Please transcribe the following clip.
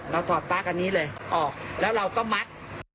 ถอดปลั๊กอันนี้เลยออกแล้วเราก็มัด